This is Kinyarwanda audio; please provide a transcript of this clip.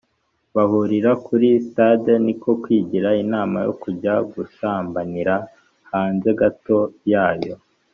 bahurira kuri stade niko kwigira inama yo kujya gusambanira hanze gato yayo